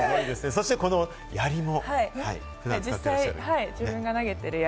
そして、このやりも。